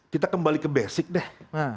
kita kembali ke basic deh